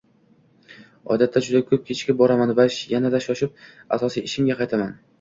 Odatda juda koʻp kechikib boraman va yana shoshib asosiy ishimga qaytaman.